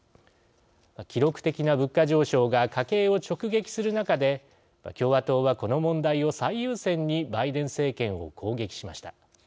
記録的な物価上昇が家計を直撃する中で共和党は、この問題を最優先にバイデン政権を攻撃しました。